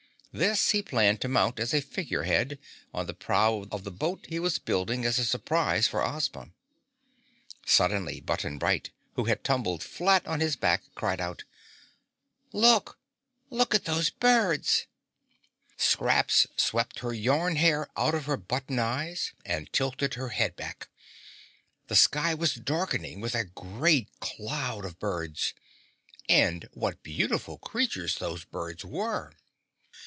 This he planned to mount as a figurehead on the prow of the boat he was building as a surprise for Ozma. Suddenly Button Bright, who had tumbled flat on his back, cried out: "Look! Look at those birds!" Scraps swept her yarn hair out of her button eyes and tilted her head back. The sky was darkening with a great cloud of birds. And what beautiful creatures those birds were!